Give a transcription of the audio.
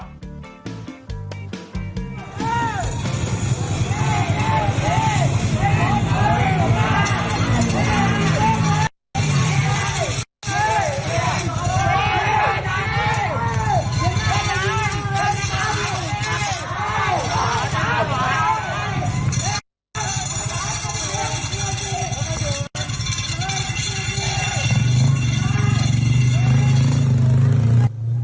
ทราบ